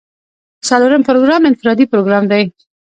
څلورم پروګرام انفرادي پروګرام دی.